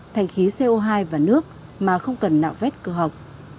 thành khí co hai và nước mà không cần nạo vét cơ học